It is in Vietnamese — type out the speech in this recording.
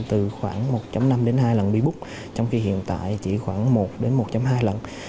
từ khoảng một năm đến hai lần bút trong khi hiện tại chỉ khoảng một đến một hai lần